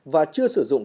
và chưa sử dụng